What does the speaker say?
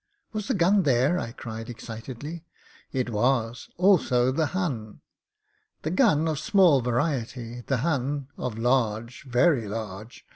'Was the gim there?" I cried, excitedly. It was. Also the Hun. The gun of small variety ; the Hun of large — ^very large.